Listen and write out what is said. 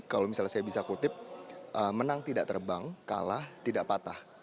kalau misalnya saya bisa kutip menang tidak terbang kalah tidak patah